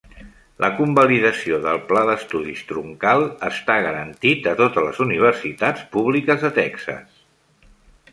La convalidació del pla d'estudis troncal està garantit a totes les universitats públiques de Texas.